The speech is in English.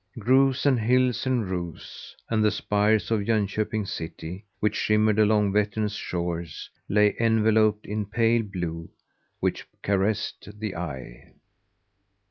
Groves and hills and roofs, and the spires of Jönköping City which shimmered along Vettern's shores lay enveloped in pale blue which caressed the eye.